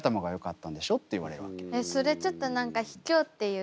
えっそれちょっと何かひきょうっていうか。